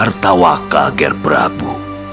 bertawakah ger prabu